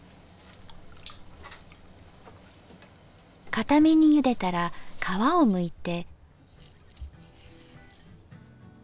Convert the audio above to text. かためにゆでたら皮をむいて。